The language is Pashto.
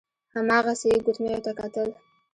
هماغسې يې ګوتميو ته کتل.